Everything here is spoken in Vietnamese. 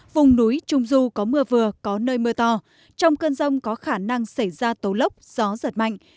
vùng núi trung du có mưa vừa có nơi mưa to trong cơn rông có khả năng xảy ra tố lốc gió giật mạnh